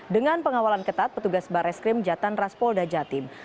dengan pengawalan ketat petugas bares krim jatan raspolda jatim